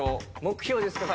目標ですか？